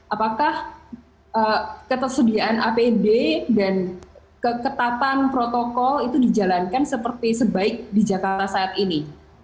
apakah ketersediaan apd dan keketatan protokol itu dijalankan seperti sebaik di jakarta saat ini